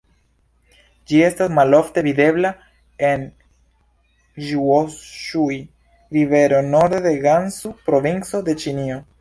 Ĝi estas malofte videbla en Ĵŭoŝuj-rivero norde de Gansu-provinco de Ĉinio.